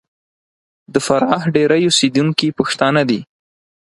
د فراه ډېری اوسېدونکي پښتانه دي.